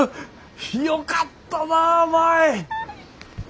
よかったなぁ舞！